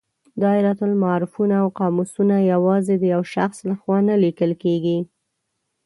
دایرة المعارفونه او قاموسونه یوازې د یو شخص له خوا نه لیکل کیږي.